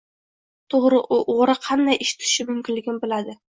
Chunki u o‘g‘ri qanday ish tutishi mumkinligini biladi.